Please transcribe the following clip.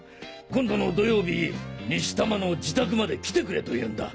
今度の土曜日西多摩の自宅まで来てくれと言うんだ。